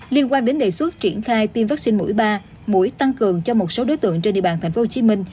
liên quan đến đề xuất triển khai tiêm vắc xin mũi ba mũi tăng cường cho một số đối tượng trên địa bàn tp hcm